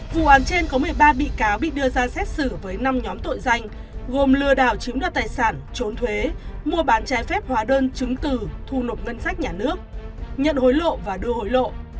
vụ án trên có một mươi ba bị cáo bị đưa ra xét xử với năm nhóm tội danh gồm lừa đảo chiếm đoạt tài sản trốn thuế mua bán trái phép hóa đơn chứng từ thu nộp ngân sách nhà nước nhận hối lộ và đưa hối lộ